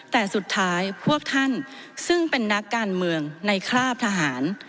แต่สุดท้ายพวกท่านซึ่งเป็นนักการเมืองในคราบทหาร